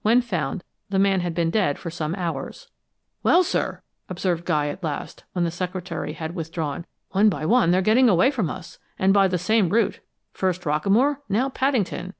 When found, the man had been dead for some hours. "Well, sir," observed Guy at last, when the secretary had withdrawn, "one by one they're getting away from us and by the same route. First Rockamore, now Paddington!"